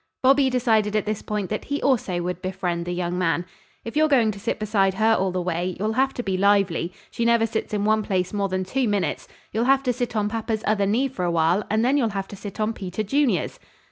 Bobby decided at this point that he also would befriend the young man. "If you're going to sit beside her all the way, you'll have to be lively. She never sits in one place more than two minutes. You'll have to sit on papa's other knee for a while, and then you'll have to sit on Peter Junior's."